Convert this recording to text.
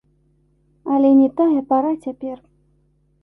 Але не тая пара цяпер!